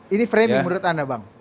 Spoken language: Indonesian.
ini framing menurut anda bang